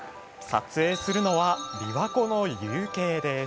撮影するのは、琵琶湖の夕景です。